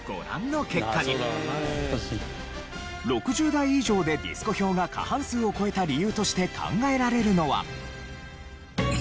６０代以上でディスコ票が過半数を超えた理由として考えられるのは。